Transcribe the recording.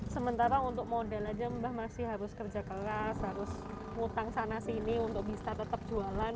sementara untuk modal aja mbak masih harus kerja keras harus ngutang sana sini untuk bisa tetap jualan